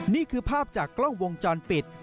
นี่คือภาพจากกล้องวงจรปิด